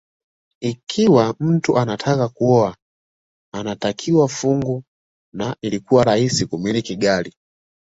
Ikiwa mtu anataka kuoa anakatiwa fungu na ilikuwa rahisi kumiliki gari